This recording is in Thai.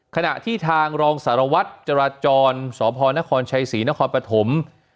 ขณะที่ทางรองสารวัฒน์จราจรศพนชัยฉีนพปถม